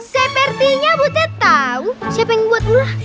sepertinya butet tahu siapa yang buat